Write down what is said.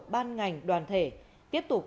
ban ngành đoàn thể tiếp tục